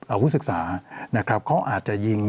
เอาผู้ศึกษานะครับเขาอาจจะยิง